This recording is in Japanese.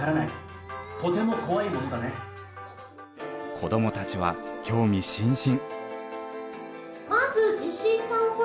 子どもたちは興味津々。